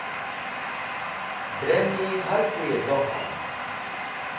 Drẽmi harkuyẽ zoqa?